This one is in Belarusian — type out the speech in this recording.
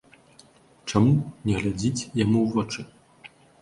Чаму не глядзіць яму ў вочы?